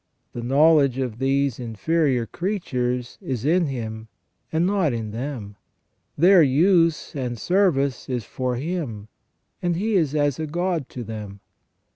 The knowledge of these inferior crea tures is in him, and not in them; their use and service is for him ; and he is as a god to them.